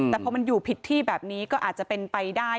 แต่พอมันอยู่ผิดที่แบบนี้ก็อาจจะเป็นไปได้